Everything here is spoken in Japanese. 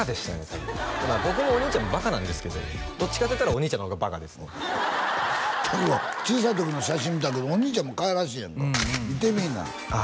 多分僕もお兄ちゃんもバカなんですけどどっちかっていったらお兄ちゃんの方がバカですねでも小さい時の写真見たけどお兄ちゃんもかわいらしいやんか見てみいなあ